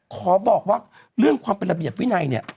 ขอบอกว่าเรื่องความเป็นระเบียบวินัยเนี่ย